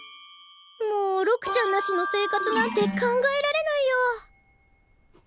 もう六ちゃんなしの生活なんて考えられないよ。